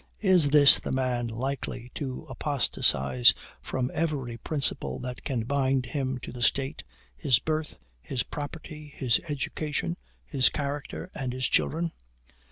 Is this the man likely to apostatize from every principle that can bind him to the State his birth, his property, his education, his character, and his children?